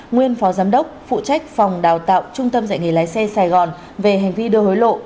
nguyên phó giám đốc phụ trách phòng đào tạo trung tâm dạy nghề lái xe sài gòn về hành vi đưa hối lộ